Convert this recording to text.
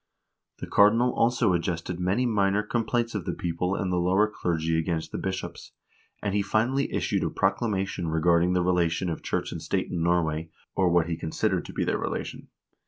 The cardinal also adjusted many minor complaints of the people and the lower clergy against the bishops, and he finally issued a proclamation re garding the relation of church and state in Norway, or what he con sidered to be their relation.